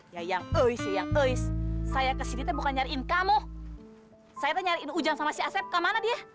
ya yang ois iya yang ois saya kesini bukan nyariin kamu saya nyariin ujang sama si asep kemana dia